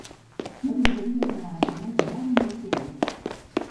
M'agradaria anar a Canet de Mar amb autobús.